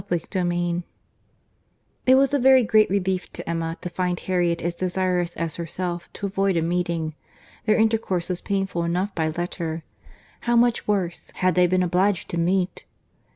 CHAPTER XVI It was a very great relief to Emma to find Harriet as desirous as herself to avoid a meeting. Their intercourse was painful enough by letter. How much worse, had they been obliged to meet!